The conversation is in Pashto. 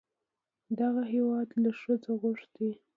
دغه هېواد له ښځو غوښتي